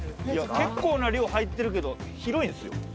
結構な量入ってるけど広いですよ。